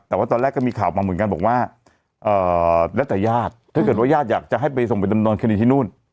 แต่ว่าตอนแรกก็มีข่าวมาเหมือนกันบอกว่าแล้วแต่ญาติถ้าเกิดว่าญาติอยากจะให้ไปส่งไปดำเนินคดีที่นู่น